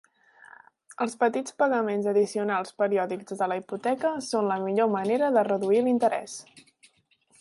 Els petits pagaments addicionals periòdics de la hipoteca són la millor manera de reduir l'interès.